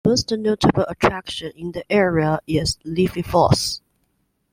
The most notable attraction in the area is Liffey Falls.